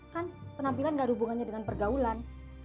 kan penampilan gak ada hubungannya dengan pergaulan